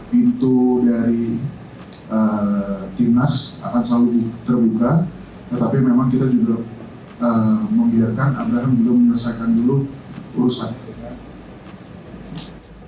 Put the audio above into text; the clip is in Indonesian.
pintu dari timnas akan selalu terbuka tetapi memang kita juga membiarkan anggaran belum menyelesaikan dulu urusan